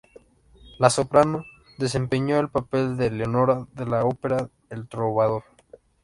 La soprano, desempeñó el papel de "Leonora" de la ópera El Trovador.